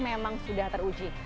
memang sudah teruji